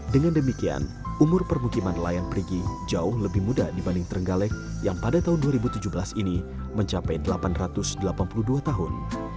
dengan demikian umur permukiman nelayan perigi jauh lebih muda dibanding terenggalek yang pada tahun dua ribu tujuh belas ini mencapai delapan ratus delapan puluh dua tahun